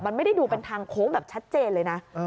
มันไม่ได้ดูเป็นทางโค้งแบบชัดเจนเลยนะ